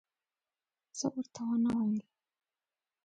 څه ورته ونه ویل.